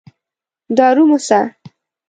دارو موسه.